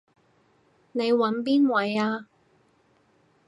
你搵邊位啊？